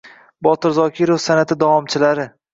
Botir Zokirov san’ati davomchilari